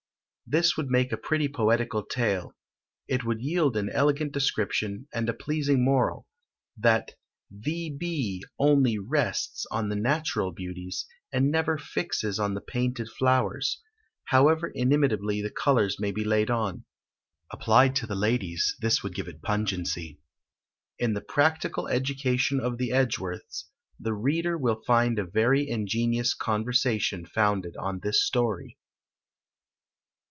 This would make a pretty poetical tale. It would yield an elegant description, and a pleasing moral; that the bee only rests on the natural beauties, and never fixes on the painted flowers, however inimitably the colours may be laid on. Applied to the ladies, this would give it pungency. In the "Practical Education" of the Edgeworths, the reader will find a very ingenious conversation founded on this story.